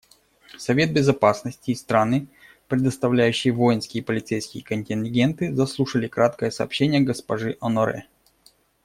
Совет Безопасности и страны, предоставляющие воинские и полицейские контингенты, заслушали краткое сообщение госпожи Оноре.